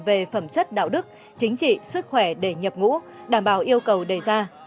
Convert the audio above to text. về phẩm chất đạo đức chính trị sức khỏe để nhập ngũ đảm bảo yêu cầu đề ra